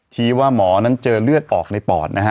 ที่ว่าหมอนั้นเจอเลือดออกในปอดนะฮะ